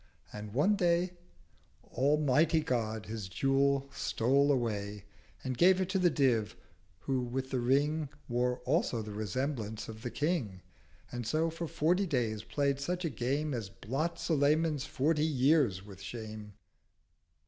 And one Day Almighty God his Jewel stole away, And gave it to the Div, who with the Ring Wore also the Resemblance of the King, And so for forty days play'd such a Game As blots Sulayman's forty years with Shame.